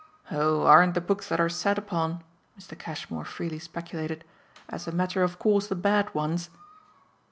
"Oh aren't the books that are sat upon," Mr. Cashmore freely speculated, "as a matter of course the bad ones?"